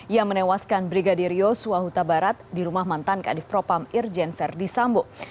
yang menewaskan brigadir yosua huta barat di rumah mantan kadif propam irjen verdi sambo